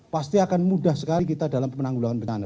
pasti akan mudah sekali kita dalam penanggulangan bencana